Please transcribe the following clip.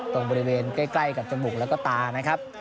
ตรงบริเวณใกล้กับจมูกแล้วก็ตานะครับ